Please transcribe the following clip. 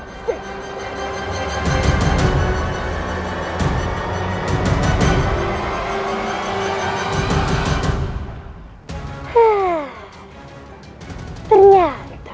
tidak ada nep shooting kita